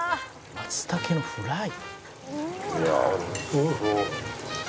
「松茸のフライ！？」